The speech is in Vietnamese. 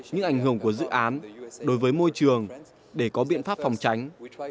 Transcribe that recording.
những ảnh hưởng của dự án đối với môi trường để có biện pháp phòng tránh